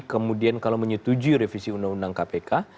kemudian kalau menyetujui revisi undang undang kpk